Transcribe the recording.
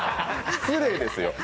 失礼ですよ。